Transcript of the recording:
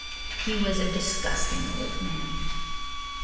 He was "a disgusting old man."